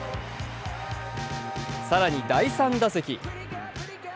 更に第３打席。